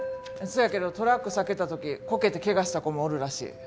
せやけどトラック避けた時こけてけがした子もおるらしい。